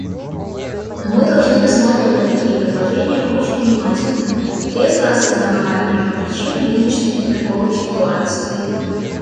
Но мы должны рассматривать такие предложения очень внимательно, трезво осознавая первопричину нынешней тупиковой ситуации.